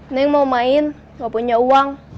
neng mau main nggak punya uang